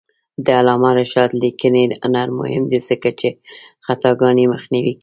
د علامه رشاد لیکنی هنر مهم دی ځکه چې خطاګانې مخنیوی کوي.